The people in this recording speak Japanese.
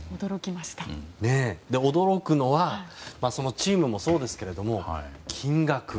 でも驚くのはチームもそうですが、金額。